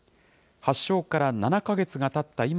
発症から７か月がたった